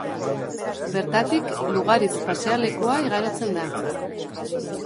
Bertatik Lugaritz pasealekua igarotzen da.